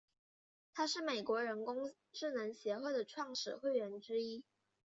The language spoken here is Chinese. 他是美国人工智能协会的创始会员之一。